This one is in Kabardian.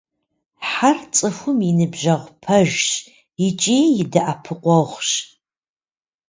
Хьэр – цӏыхум и ныбжьэгъу пэжщ икӏи и дэӏэпыкъуэгъущ.